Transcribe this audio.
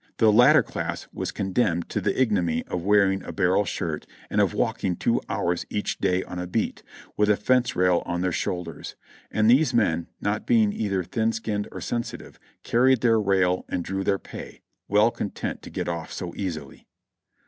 The latter class was con demned to the ignominy of wearing a barrel shirt and of walking two hours each day on a beat, with a fence rail on their shoulders ; and these men, not being either thin skinned or sensitive, carried their rail and drew their pay, well content to get off so easily.